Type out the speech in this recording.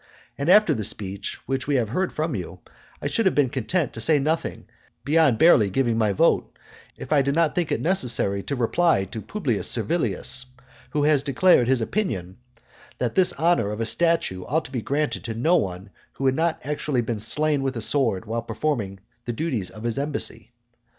And after the speech which we have heard from you, I should have been content to say nothing beyond barely giving my vote, if I did not think it necessary to reply to Publius Servilius, who has declared his opinion that this honour of a statue ought to be granted to no one who has not been actually slain with a sword while performing the duties of his embassy.